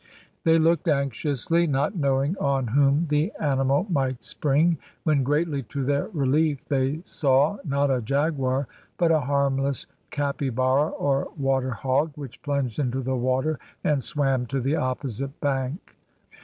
They looked anxiously, not knowing on whom the animal might spring, when greatly to their relief they saw, not a jaguar, but a harmless capybara or water hog, which plunged into the water and swam to the opposite bank.